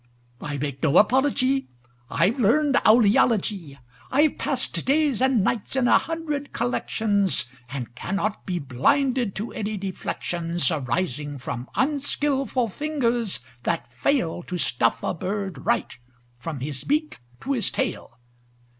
I make no apology; I've learned owl eology. I've passed days and nights in a hundred collections, And cannot be blinded to any deflections Arising from unskilful fingers that fail To stuff a bird right, from his beak to his tail.